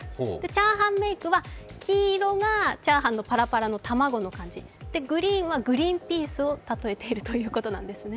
チャーハンメイクは黄色がチャーハンのパラパラの卵の感じ、グリーンはグリーンピースを例えているということなんですね。